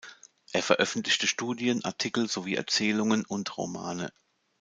Er veröffentlichte Studien, Artikel sowie Erzählungen und Romane.